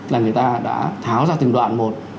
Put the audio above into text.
là người ta đã tháo ra từng đoạn một